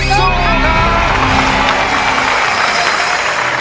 สู้ค่ะ